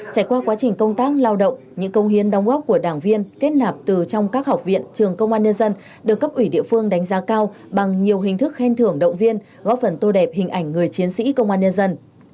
trải qua quá trình công tác lao động những công hiến đóng góp của đảng viên kết nạp từ trong các học viện trường công an nhân dân được cấp ủy địa phương đánh giá cao bằng nhiều hình thức khen thưởng động viên góp phần tô đẹp hình ảnh người chiến sĩ công an nhân dân